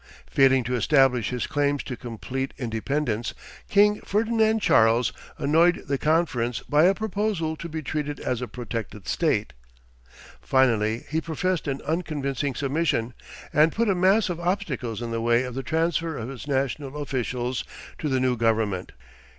Failing to establish his claims to complete independence, King Ferdinand Charles annoyed the conference by a proposal to be treated as a protected state. Finally he professed an unconvincing submission, and put a mass of obstacles in the way of the transfer of his national officials to the new government.